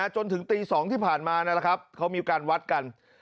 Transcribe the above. จนถึงตี๒ที่ผ่านมาเขามีอันการวัดกัน